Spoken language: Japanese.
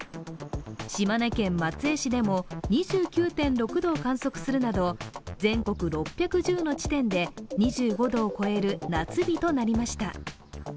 島根県松江市でも２９．６度を観測するなど、全国６１０の地点で２５度を超える夏日となりました。